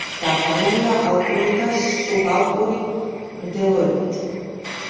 დაფარულია ალპური და სუბალპური მდელოებით.